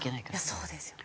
そうですよ。